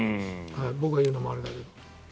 僕が言うのもなんだけど。